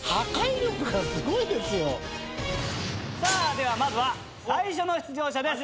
ではまずは最初の出場者です。